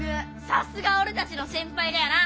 さすがおれたちの先輩だよな！